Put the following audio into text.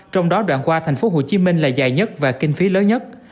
trong đó đoạn qua thành phố hồ chí minh là dài nhất và kinh phí lớn nhất